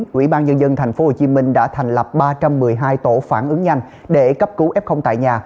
quỹ ban nhân dân tp hcm đã thành lập ba trăm một mươi hai tổ phản ứng nhanh để cấp cứu f tại nhà